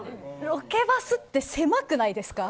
ロケバスって狭くないですか。